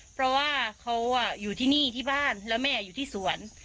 เพราะว่าเขาอยู่ที่นี่ที่บ้านแล้วแม่อยู่ที่สวน